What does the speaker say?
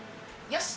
よし！